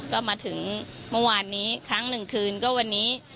ก็มาถึงเมื่อวานนี้ครั้งหนึ่งคืนก็วันนี้